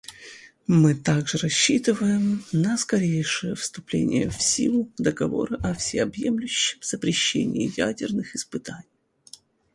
Мы также рассчитываем на скорейшее вступление в силу Договора о всеобъемлющем запрещении ядерных испытаний.